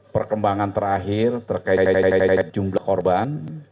perkembangan terakhir terkait jumlah korban